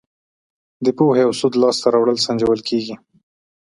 د پوهې او سواد لاس ته راوړل سنجول کیږي.